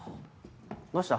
どうした？